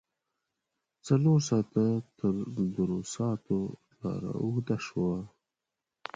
څلور ساعته تر دروساتو لار اوږده شوه.